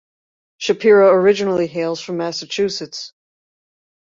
Shapiro originally hails from Massachusetts.